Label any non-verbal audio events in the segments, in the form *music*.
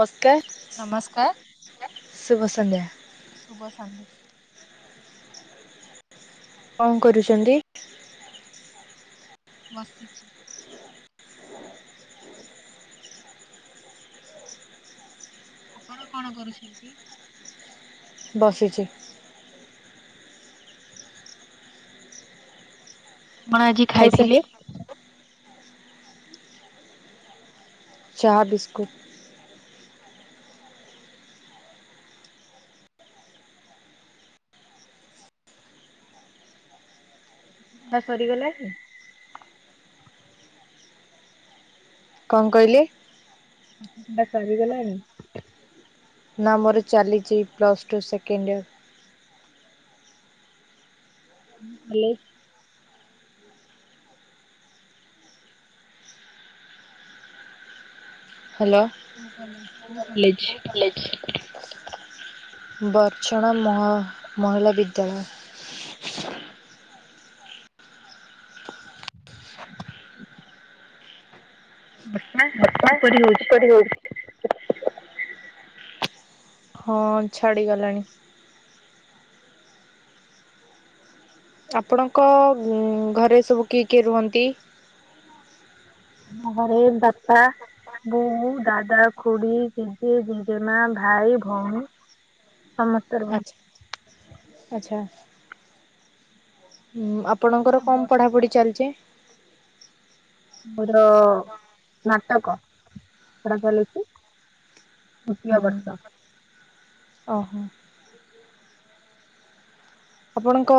ନମସ୍କାର। ନମସ୍କାର। ଶୁଭସନ୍ଧ୍ୟା। ଶୁଭସନ୍ କଣ କରୁଚନ୍ତି? ବସିଚି। ଆପଣ କଣ କରୁଛନ୍ତି? ବସିିଚି କଣ ଆଜି ଖାଇସା ଖାଇଥିଲେ? ଚାହା ବିସ୍କୁଟ୍। ବା ସରିଗଲା କି? କଣ କହିଲେ? ଅହ ଏଟା ସରିଗଲାଣି? ନା ମୋର ଚାଲିଚି ପ୍ଲସ୍ ଟୁ ସେକେଣ୍ଡ ଇୟର୍। ଉଁ କଲେଜ୍ ହାଲୋ। ବଡ଼ଚଣା ମହା ମହିଲା ବିଦ୍ୟାଲୟ। ବର୍ଷା କିପରି ହୋଉଚି? କିପରି ହୋଉଚି? ହଁ ଛାଡିଗଲାଣି। ଆପଣଙ୍କ ଉମ୍ ଘରେ ସବୁ କିଏ କିଏ ରୁହନ୍ତି? ଆମ ଘରେ ବାପା ବୋଉ, ଦାଦା, ଖୁଡ଼ି, ଜଜେ, ଜେଜେମା, ଭାଇ, ଭଉଣୀ। ସମସ୍ ଆଚ୍ଛା ଆଚ୍ଛା। ଉଁ ଆପଣଙ୍କର କଣ ପଢାପଢି ଚାଲଚି? ମୋର ସ୍ନାତକ ପଢା ଚାଲିଚି। ହୁଁ *inaudible* ଓହୋ। ଆପଣଙ୍କ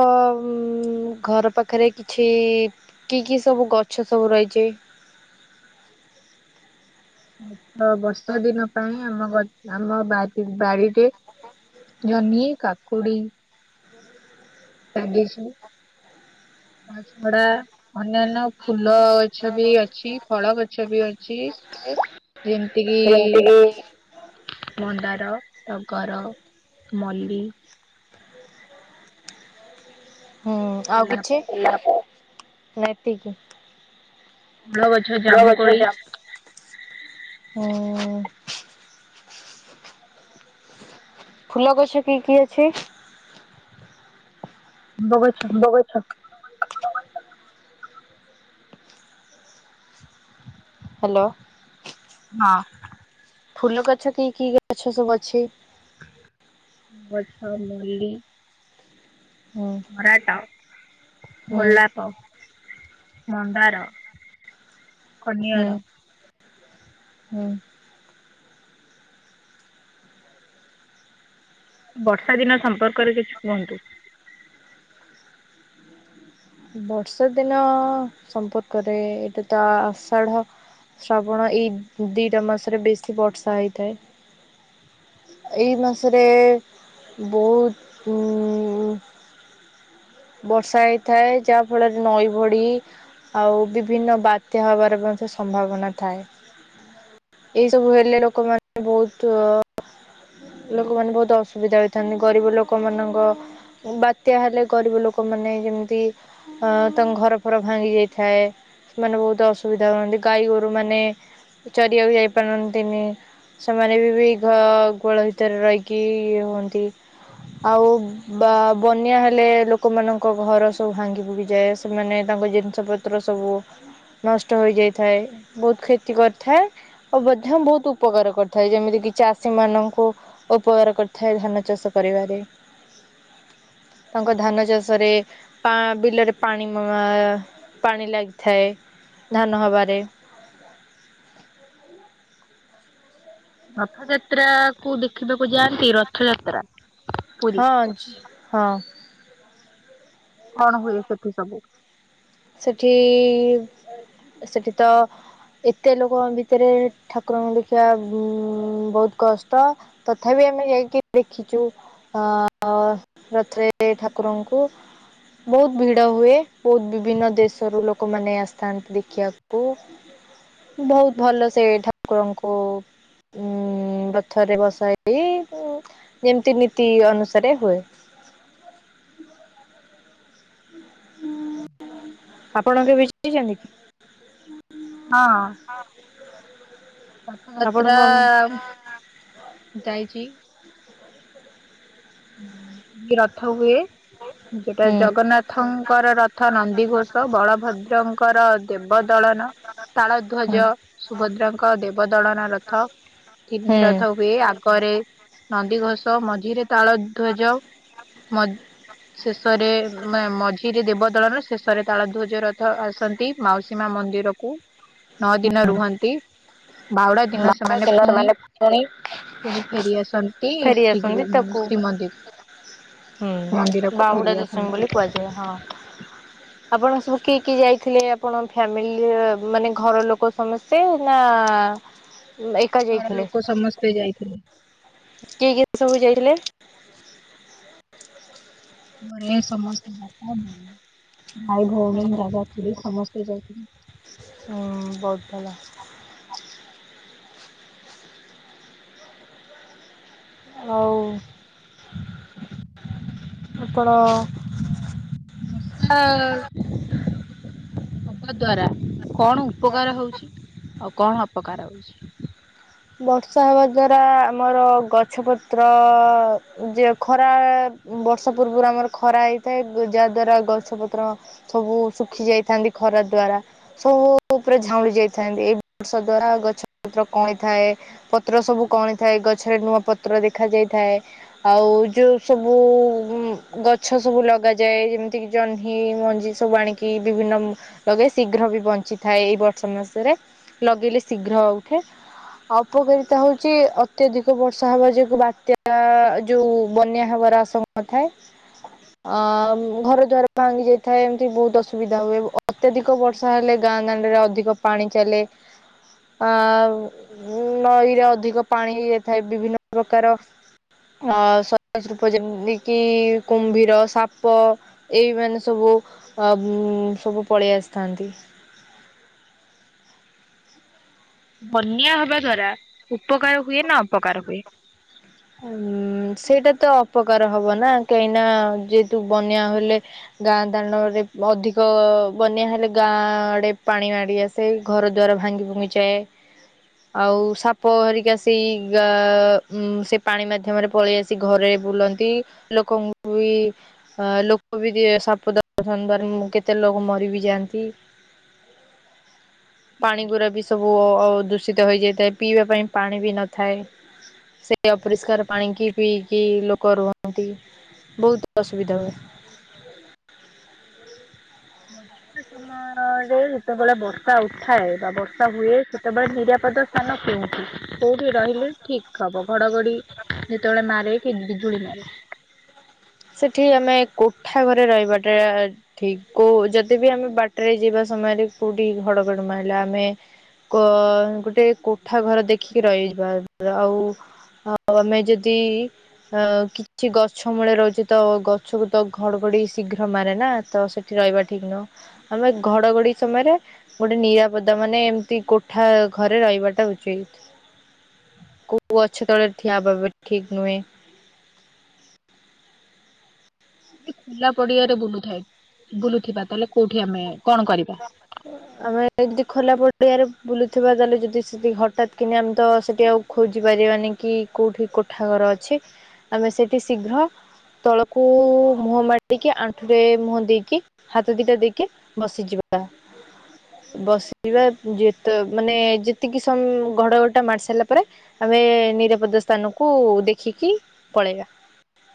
ଘର ପାଖରେ କିଛି କି କି ସବୁ ଗଛ ସବୁ ରହିଛି? ତ ବର୍ଷା ଦିନ ପାଇଁ ଆମ ଗ ଆମ ଵା ବାଡିରେ ଜହ୍ନି କାକୁଡି ଲାଗିଛି। ହ ତା *inaudible* ଛଡା ଅନ୍ୟାନ୍ୟ ଫୁଲ ଗଛ ବି ଅଛି ଫଳ ଗଛ ବି ଅଛି। *inaudible* ଯେମିତି କିି ହୁଁ ମନ୍ଦାର ଟଗର ମଲ୍ଲୀ। ହୁଁ ଆଉ କିଛି ଗୋଲାପ ନା ଏତିକି? ଭଲ ଗଛ। ଫୂଳ ଗଛ ଜାମୁକୋଳି ଯା ହୁଁ। ଫୁଲ ଗଛ କି କି ଅଛି? ଆମ୍ବ ଗଛ। ଆମ୍ବ ଗଛ ହାଲୋ। ହଁ। ଫୁଲ ଗଛ କି କି ଗଛ ସବୁ ଅଛି? ଗଛ ମଲି ହୁଁ କରାଟ, ହୁଁ ଗୋଲାପ, ମନ୍ଦାର ହୁଁ କନିଆର ହୁଁ। ବର୍ଷା ଦିନ ସମ୍ପର୍କରେ କିଛି କୁହନ୍ତୁ? ବର୍ଷା ଦିନ ସମ୍ପର୍କରେ ଏଇଟା ତ ଆଷାଢ ଶ୍ରାବଣ ଏଇ ଦିଟା ମାସରେ ବେଶୀ ବର୍ଷା ହେଇଥାଏ। ଏଇ ମାସରେ ବହୁତ ଉଁ ବର୍ଷା ହେଇଥାଏ ଯାହା ଫଳରେ ନଈ ବଢ଼ି ଆଉ ବିଭିନ୍ନ ବାତ୍ୟା ହେବାର ମଧ୍ୟ ସେ ସମ୍ଭାବନା ଥାଏ। ଏଇସବୁ ହେଲେ ଲୋକମାନେ ବହୁତ ଲୋକମାନେ ବହୁତ ଅସୁବିଧା ହୋଇଥାନ୍ତି ଗରିବ ଲୋକ ମାନଙ୍କ ବାତ୍ୟା ହେଲେ ଗରିବ ଲୋକମାନେ ଯେମିତି ଅ ତାଙ୍କ ଘର ଫର ଭାଙ୍ଗି ଯାଇଥାଏ। ସେମାନେ ବହୁତ ଅସୁବିଧା ହୁଅନ୍ତି ଗାଈ ଗୋରୁ ମାନେ ଚରିବାକୁ ଯାଇପାରୁନାନ୍ତି ସେମାନେ ବି ଘ କଳ ଭିତରେ ରହିକି ଇଏ ହୁଅନ୍ତି। ଆଉ ବା ବନ୍ୟା ହେଲେ ଲୋକମାନଙ୍କ ଘର ସବୁ ଭାଙ୍ଗି ଫୁଡ଼ିିଯାଏ। ସେମାନେ ତାଙ୍କ ଜିନିଷପତ୍ର ସବୁ ନଷ୍ଟ ହୋଇଯାଇଥାଏ ବହୁତ କ୍ଷତି କରିଥାଏ। ଓ ମଧ୍ୟ ବହୁତ ଉପକାର କରିଥାଏ ଯେମିତି କିି ଚାଷୀ ମାନଙ୍କୁ କୁ ଉପକାର କରିଥାଏ ଧାନ ଚାଷ କରିବାରେ ତାଙ୍କ ଧାନ ଚାଷରେ ପା ବିଲରେ ପାଣି ଆଁ ପାଣି ଲାଗିଥାଏ ଧାନ ହେବାରେ ରଥଯାତ୍ରା କୁ ଦେଖିବାକୁ ଯାଆନ୍ତି ରଥଯାତ୍ରା? ପୁରୀ ହଁ ଛି ହଁ। କଣ ହୁଏ ସେଠି ସବୁ? ସେଠି ସେଠି ତ ଏତେ ଲୋକଙ୍କ ଭିତରେ ଠାକୁରଙ୍କୁ ଦେଖିବା ଉଁ ବହୁତ କଷ୍ଟ। ତଥାପି ଆମେ ଯାଇକି ଦେଖିଚୁ। ଅଁ ଅଁ ରଥରେ ଠାକୁରଙ୍କୁ। ବହୁତ ଭିଡ ହୁଏ ବହୁତ୍ ବି ଭିନ୍ନ ଦେଶରୁ ଲୋକମାନେ ଆସଥାନ୍ତି ଦେଖିଆକୁ। ବହୁତ୍ ଭଲ ସେ ଠାକୁରଙ୍କୁ ଉଁ ରଥରେ ବସା ହେଇ ଯେମତି ନୀତି ଅନୁସାରେ ହୁଏ। ଆପଣ କେବେ ଯାଇଚନ୍ତି? ହଁ। ହଁ। ରଥଯାତ୍ରା ଯାଇଚି। କି ରଥ ହୁଏ ଯୋଉଟା ଜଗନ୍ନାଥ୍ ଥଙ୍କର ରଥ ନନ୍ଦିଘୋଷ ବଳଭଦ୍ରଙ୍କର ଦେବ ଦଳନ। ତାଳଧ୍ୱଜ ସୁଭଦ୍ରାଙ୍କ ଦେବ ଦଳନ ରଥ ତିନି ହୁଁ ରଥ ହୁଏ। କରେ ନନ୍ଦି ଘୋଷ ମଝିରେ ତାଳ ଧ୍ୱଜ ମଝ୍ ଶେଷରେ ନା ମଝି ତିରେ ଦେବଦଳନ ଶେଷରେ ତାଳ ଧ୍ୱଜ ରଥ ଆସନ୍ତି ମାଉସୀ ମା ମନ୍ଦିରକୁ। ନଅ ଦିନ ରୁହନ୍ତି ବାଉଡ଼ା ଦିନ ବାର ସେମାନେ କିନ୍ନର ପୁଣି ମାନେ ପୁଣି ପୁଣି ଫେରି ଆସନ୍ତି ଫେରି ଆସନ୍ତି ତାକୁ ଶ୍ରୀଗୁନିସ୍ ଶ୍ରୀମନ୍ଦି ହୁଁ ମନ୍ଦିରକୁ ବାହୁଡା ଫେରି ଦଶମୀ ବୋଲି ଆସନ୍ତି। କୁହାଯାଏ ହଁ। ଆପଣ ସବୁ କିଏ କିଏ ଯାଇଥିଲେ ଆପଣ ଫ୍ୟାମିଲିରେ ମାନେ ଘର ଲୋକ ସମସ୍ତେ ନା ଏକା ଘର ଯାଇଥିଲେ ଲୋକ ସମସ୍ତେ ଯାଇଥିଲେ। କିଏ କିଏ ସବୁ ଯାଇଥିଲେ? ବଲେ ସମସ୍ତ୍ ଭାଇ ଭଉଣୀ ଦାଦା ଖୁଡି ସମସ୍ତେ ଯାଇଥିଲୁ। ହଁ ବହୁତ୍ ଭଲ। ହଉ ଆପଣ ବର୍ଷା ହବା ଦ୍ଵାରା କଣ ଉପକାର ହଉଚି ଆଉ କଣ ଅପକାର ହଉଚି। ବର୍ଷା ହେବା ଦ୍ୱାରା ଆମର ଗଛପତ୍ର ଯେ ଖରା ବର୍ଷା ପୂର୍ବରୁ ଆମର ଖରା ହେଇଥାଏ ଯାହା ଦ୍ଵାରା ଗଛ ପତ୍ର ସବୁ ଶୁଖି ଯାଇଥାନ୍ତି ଖରା ଦ୍ଵାରା। ସବୁ ଉପରେ ଝାଉଁଳି ଯାଇଥାନ୍ତି। ଏଇ ବର୍ଷା ଦ୍ଵାରା ଗଛ ପତ୍ର କଅଁଳି ଥାଏ। ପତ୍ର ସବୁ କଅଁଳି ଥାଏ। ଗଛରେ ନୂଆ ପତ୍ର ଦେଖା ଯାଇଥାଏ। ଆଉ ଯୋଉ ସବୁ ଉମ୍ ଗଛ ସବୁ ଲଗାଯାଏ ଯେମତି କି ଜହ୍ନି ମଞ୍ଜି ସବୁ ଆଣିକି ବିଭିନ୍ନ ଲଗାଏ ଶୀଘ୍ର ବି ବଞ୍ଚିଥାଏ ଏଇ ବର୍ଷ ମାସରେ ଲଗେଇଲେ ଶୀଘ୍ର ଉଠେ। ଅପକାରିତା ହଉଚି ଅତ୍ୟଧିକ ବର୍ଷା ହବା ଯୋଗୁ ବାତ୍ୟା ଆ ଯୋଉ ବନ୍ୟା ହବାର ଆଶଙ୍କ୍ ନଥାଏ ଆ ଘର ଦ୍ୱାର ଭାଙ୍ଗି ଯାଇଥାଏ। ଏମତି ବହୁତ୍ ଅସୁବିଧା ହୁଏ। ଅତ୍ୟଧିକ ବର୍ଷା ହେଲେ ଗାଁ ଦାଣ୍ଡରେ ଅଧିକ ପାଣି ଚାଲେ। ଆ ଉଁ ନଈରେ ଅଧିକ ପାଣି ହେଇଯାଇଥାଏ ବିଭିନ୍ନ ପ୍ରକାର ଅ ସରୀସୃପ ଯେମତି କିି କୁମ୍ଭୀର, ସାପ। ଏଇ ମାନେ ସବୁ ଅମ୍ ସବୁ ପଳେଇ ଆସିଥାନ୍ତି। ବନ୍ୟା ହବା ଦ୍ଵାରା ଉପକାର ହୁଏ ନା ଅପକାର ହୁଏ। ଉମ୍ ସେଇଟା ତ ଅପକାର ହବ ନା କାହିଁନା ଯେହେତୁ ବନ୍ୟା ହେଲେ ଗାଁ ଦାଣ୍ଡରେ ଅଧିକ ବନ୍ୟା ହେଲେ ଗାଁଆଡେ ପାଣି ମାଡି ଆସ୍। ସେଇ ଘର ଦ୍ଵାର ଭାଙ୍ଗି ଭୁଙ୍ଗି ଯାଏ। ଆଉ ସାପ ହେରିକା ସେଇ ଗାଁ ଉମ୍ ସେ ପାଣି ମାଧ୍ୟମରେ ପଳେଇ ଆସି ଘରେ ବୁଲନ୍ତି ଲୋକଙ୍କୁ ବି ହଁ ଲୋକ ବି ଯିଏ ସାପ ଦଂଶନ ଦ୍ଵାରା ମୁ କେତେ ଲୋକ ମରି ବିି ଯାଆନ୍ତି। ପାଣି ଗୁରା ବି ସବୁ ଅ-ଦୂଷିତ ହେଇଯାଇଥାଏ। ପିଇବା ପାଇଁ ପାଣି ବି ନଥାଏ। ସେ ଅପରିଷ୍କାର ପାଣିକି ପିଇକି ଲୋକ ରୁହନ୍ତି, ବହୁତ ଅସୁବିଧା ହୁଏ। ହଁ ଅ-ଯେତେବେଳେ ବର୍ଷା ଉଠାଏ ବା ବର୍ଷା ହୁଏ ସେତେବେଳେ ନିରାପଦ ସ୍ଥାନ କେଉଠି? କୋଉଠ ରହିଲେ ଠିକ୍ ହବ? ଘଡଘଡି ଯେତେବେଳେ ମାରେ କି ବିଜୁଳି ମାରେ? ସେଠି ଆମେ କୋଠା ଘରେ ରହିବାଟା ଠିକ୍ କୋଉ ଜଦୀ ବିି ଆମେ ବାଟରେ ଯିବା ସମୟରେ କୋଉଠି ଘଡ଼ଘଡ଼ି ମାରଲା ଆମେ କ ଗୋଟେ କୋଠା ଘର ଦେଖିକି ରହିଯିବ ଆଉ ଆଉ ଆମେ ଯଦି ଅ କିଛି ଗଛ ମୂଳେ ରହୁଛ ତ ଗଛକୁ ତ ଘଡଘଡି ଶୀଘ୍ର ମାରେ ନା ତ ସେଠି ରହିବା ଠିକ୍ ନୁହଁ। ଆମେ ଘଡ଼ଘଡ଼ି ସମୟରେ ଗୋଟେ ନିରାପଦା ମାନେ ଏମିତି କୋଠା ଘରେ ରହିବାଟା ଉଚିତ୍। କୋଉ ଅଛ ତଳେ ଠିଆ ଭବେ ଠିକ୍ ନୁହେଁ। ଖୋଲା ପଡିଆରେ ବୁଲୁଥାଏ ବୁଲୁଥିବା ତାହେଲେ କୋଉଠି ଆମେ କଣ କରିବା? ହ। ଆମେ ଯଦି ଖୋଲା ପଡିଆରେ ବୁଲୁଥିବା ତାହେଲେ ଯଦି ସେଠକି ହଟାତ୍ କିନି ଆମେ ତ ସେଠି ଆଉ ଖୋଜି ପାରିବାନି କି କୋଉଠି କୋଠା ଘର ଅଛି ଆମେ ସେଇଠି ଶୀଘ୍ର ତଳକୁ ମୁହଁ ମାରକି ଆଣ୍ଠୁରେ ମୁହଁ ଦେଇକି ହାତ ଦିଟା ଦେଇକି ବସିଯିବା। ବସିବା ଯେତ ମାନେ ଯେତିକି ସମ ଘଡଘଡ ଟା ମାର ସାରିଲା ପରେ ଆମେ ନିରାପଦ ସ୍ଥାନକୁ ଦେଖିକି ପଳେଇବା।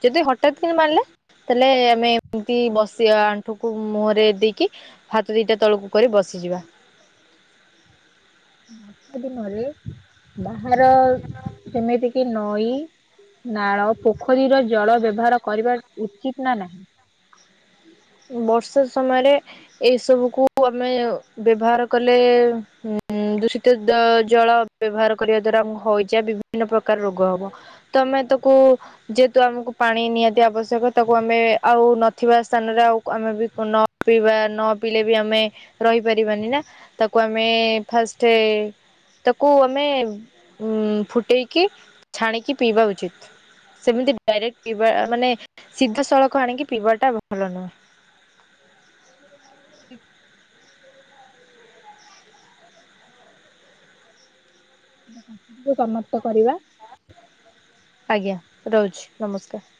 ଯଦି ହଠାତ୍ କି ମାରିଲା? ତାଲେ ଆମେ ଏମିତି ବସିବା ଆଣ୍ଠୁକୁ ମୁହରେ ଦେଇକି ହାତ ଦୁଇଟା ତଳକୁ କରି ବସିଯିବା। ବର୍ଷା ଦିନରେ ବାହାର ଯେମିତି କି ନଈ ନାଳ ପୋଖରୀର ଜଳ ବ୍ୟବହାର କରିବା ଉଚିତ ନା ନାହିଁ? ବର୍ଷା ସମୟରେ ଏଇ ସବୁକୁୁ ଆମେ ବ୍ୟବହାର କଲେ ଦୂଷିତ ଜଳ ବ୍ୟବହାର କରିବା ଦ୍ଵାରା ଆମ ହଇଜା ବିଭିନ୍ନ ପ୍ରକାର ରୋଗ ହବ। ତ ଆମେ ତାକୁ ଯେହେତୁ ଆମକୁ ପାଣି ନିହାତି ଆବଶ୍ୟକ ତାକୁ ଆମେ ଆଉ ନଥିବା ସ୍ଥାନ ଆଉ ଆମେ ବି ନ ପିଇବା ନ ପିଇଲେ ବି ଆମେ ରହିପାରିବାନି ନା। ତାକୁ ଆମେ ଫାଷ୍ଟ ତାକୁ ଆମେ ଉଁ ଫୁଟେଇକି ଛାଣିକି ପିଇବା ଉଚିତ୍। ସେମିତି ଡାଇରେକ୍ଟ ପିଇବା ମାନେ ସିଧା ସଳଖ ଆଣିକି ପିଇବା ଟା ଭଲ ନୁହେଁ। ସମାପ୍ତ କରିବା। ଆଜ୍ଞା ରହୁଛି ନମସ୍କାର।